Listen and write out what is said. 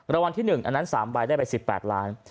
รางวัลที่๑อันนั้น๓ใบได้ไป๑๘ล้าน